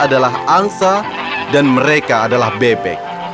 adalah angsa dan mereka adalah bebek